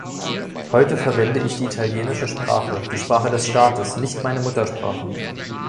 Heute verwende ich die italienische Sprache, die Sprache des Staates, nicht meine Muttersprache.